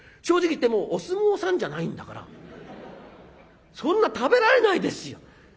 正直言ってもうお相撲さんじゃないんだからそんな食べられないですよ。